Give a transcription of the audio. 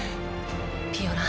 ピオラン。